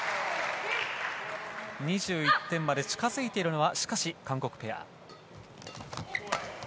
２１点まで近づいているのは韓国ペア。